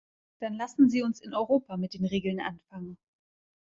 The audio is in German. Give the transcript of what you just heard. Dann lassen Sie uns in Europa mit den Regeln anfangen!